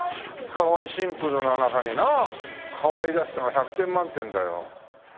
かわいいシンプルな中になかわいらしさが１００点満点だよ。